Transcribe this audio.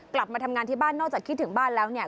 กลับมาทำงานที่บ้านนอกจากคิดถึงบ้านแล้วเนี่ย